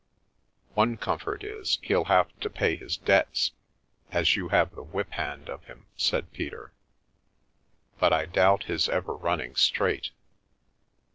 " One comfort is, he'll have to pay his debts, as you have the whip hand of him," said Peter. " But I doubt his ever running straight.